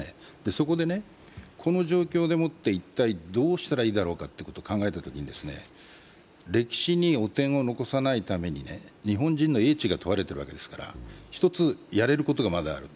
そこでね、この状況でもって一体どうしたらいいだろうかと考えたときに、歴史に汚点を残さないために日本人の英知が問われているわけですから、一つやれることがまだある。